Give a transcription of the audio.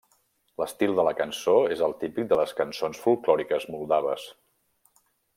L'estil de la cançó és el típic de les cançons folklòriques moldaves.